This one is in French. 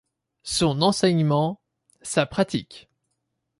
Son enseignement, sa pratique.